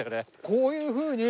こういうふうに。